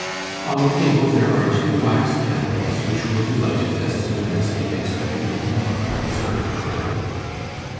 On the table there are two wax candles, which will be lighted as soon as the expected knock is heard at the door.